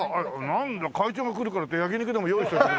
なんだ会長が来るからって焼き肉でも用意しといて。